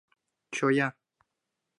Чоя.